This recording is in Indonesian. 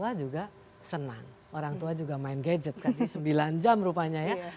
orang tua juga senang orang tua juga main gadget kan jadi sembilan jam rupanya ya